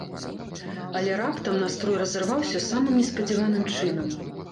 Але раптам настрой разарваўся самым неспадзяваным чынам.